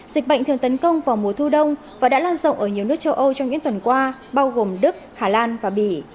dịch bệnh thường tấn công vào mùa thu đông và đã lan rộng ở nhiều nước châu âu trong những tuần qua bao gồm đức hà lan và bỉ